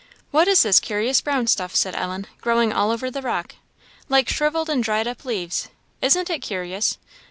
"What is this curious brown stuff," said Ellen, "growing all over the rock like shrivelled and dried up leaves? Isn't it curious?